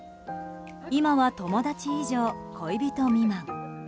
今は友達以上恋人未満。